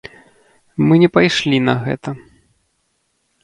Мы не пайшлі на гэта.